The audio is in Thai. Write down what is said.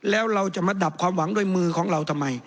แล้วเราจะมาดับความหวังด้วยมือของเราทำไม